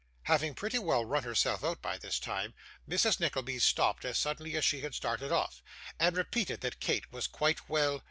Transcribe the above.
Having pretty well run herself out by this time, Mrs. Nickleby stopped as suddenly as she had started off; and repeated that Kate was quite well.